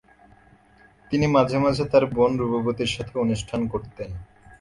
তিনি মাঝে মাঝে তার বোন রূপবতীর সাথেও অনুষ্ঠান করতেন।